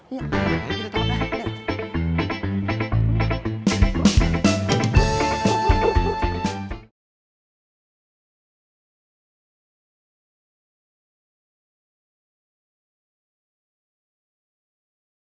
iya kita tangkep dah